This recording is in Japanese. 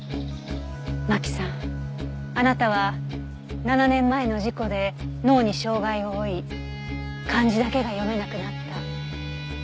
牧さんあなたは７年前の事故で脳に障害を負い漢字だけが読めなくなった。